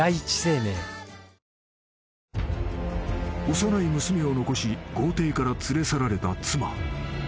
［幼い娘を残し豪邸から連れ去られた妻］